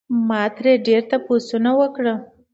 ما ترې ډېر تپوسونه وکړل